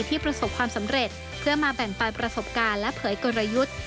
ประสบความสำเร็จเพื่อมาแบ่งปันประสบการณ์และเผยกลยุทธ์